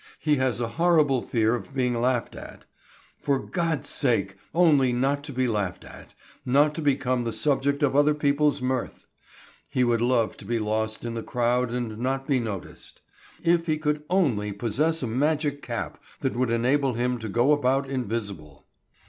He has a horrible fear of being laughed at. For God's sake! only not to be laughed at, not to become the subject of other people's mirth! He would love to be lost in the crowd and not be noticed. If he could only possess a magic cap that would enable him to go about invisible!